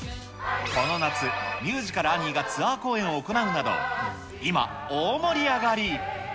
この夏、ミュージカル、アニーがツアー公演を行うなど、今、大盛り上がり。